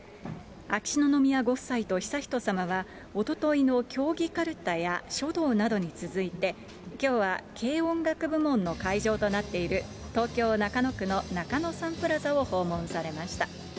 秋篠宮ご夫妻と悠仁さまはおとといの競技かるたや書道などに続いて、きょうは軽音楽部門の会場となっている、東京・中野区の中野サンプラザを訪問されました。